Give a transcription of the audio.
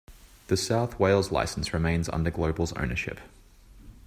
The South Wales licence remains under Global's ownership.